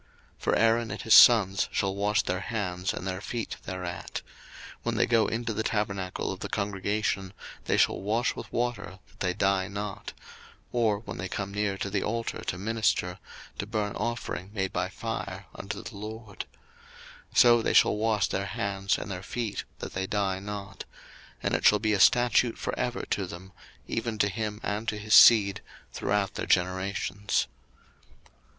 02:030:019 For Aaron and his sons shall wash their hands and their feet thereat: 02:030:020 When they go into the tabernacle of the congregation, they shall wash with water, that they die not; or when they come near to the altar to minister, to burn offering made by fire unto the LORD: 02:030:021 So they shall wash their hands and their feet, that they die not: and it shall be a statute for ever to them, even to him and to his seed throughout their generations.